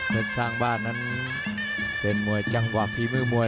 สร้างบ้านนั้นเป็นมวยจังหวะฝีมือมวย